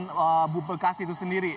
kabupaten bupelkas itu sendiri